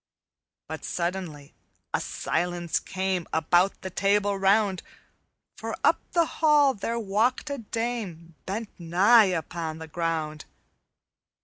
"But suddenly a silence came About the Table Round, For up the hall there walked a dame Bent nigh unto the ground.